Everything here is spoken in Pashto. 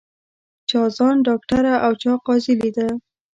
چا ځان ډاکټره او چا قاضي لیده